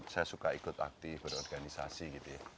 saya suka ikut aktif berorganisasi gitu ya